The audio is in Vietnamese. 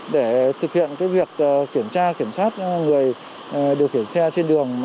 để thực hiện việc kiểm tra kiểm soát người điều khiển xe trên đường